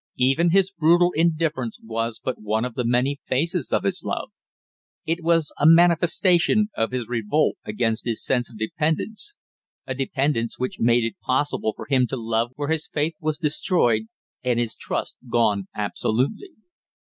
Even his brutal indifference was but one of the many phases of his love; it was a manifestation of his revolt against his sense of dependence, a dependence which made it possible for him to love where his faith was destroyed and his trust gone absolutely.